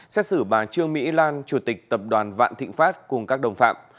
xét xử bà trương mỹ lan chủ tịch tập đoàn vạn thịnh pháp cùng các đồng phạm